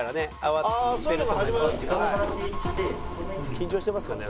緊張してますかね？